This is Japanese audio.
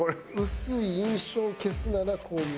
薄い印象を消すならこういう。